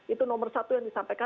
itu nomor satu yang disampaikan